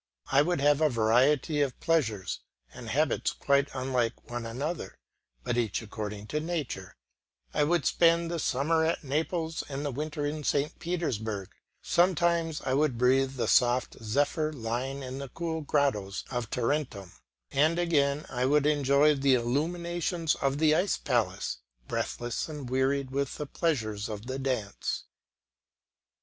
I would have a variety of pleasures, and habits quite unlike one another, but each according to nature; I would spend the summer at Naples and the winter in St. Petersburg; sometimes I would breathe the soft zephyr lying in the cool grottoes of Tarentum, and again I would enjoy the illuminations of an ice palace, breathless and wearied with the pleasures of the dance.